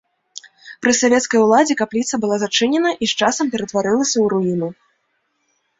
Пры савецкай уладзе капліца была зачынена і з часам ператварылася ў руіны.